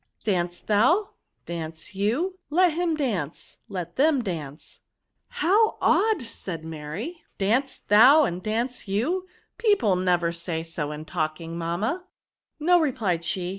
Dance thou. Dance you. Let him dance. Let them dance." " How odd !" said Mary, " dance thou ! and dance ycu ! People never say so in talk ing, mamma?" " No," replied she.